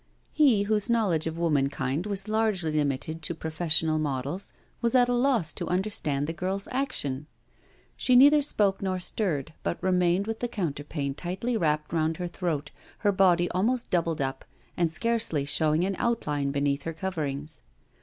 He, whose knowledge of womankind was largely limited to professional models, was at a loss to understand the girl's action. She neither spoke nor stirred, but remained with the counterpane tightly wrapped round her throat, her body almost doubled up, and scarcely showing an outline beneath her coverings.